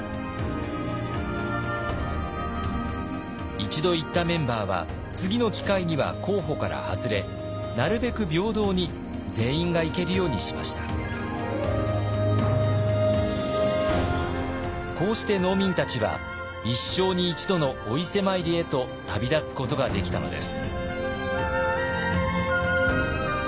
一度行ったメンバーは次の機会には候補から外れなるべくこうして農民たちは一生に一度のお伊勢参りへと旅立つことができたのです。